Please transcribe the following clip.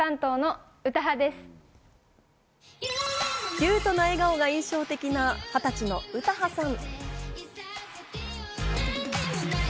キュートな笑顔が印象的な２０歳の詩羽さん。